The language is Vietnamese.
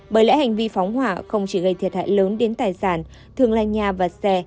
bởi lẽ hành vi phóng hỏa không chỉ gây thiệt hại lớn đến tài sản thường là nhà và xe